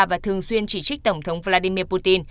và thường xuyên chỉ trích tổng thống vladimir putin